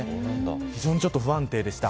非常に不安定でした。